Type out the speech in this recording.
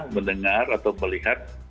mendengar atau melihat